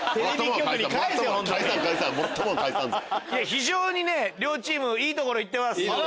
非常に両チームいいところいってます。